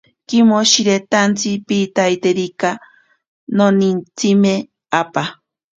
Kimoshiritantsi piitaiterikika, nonintsime apaa.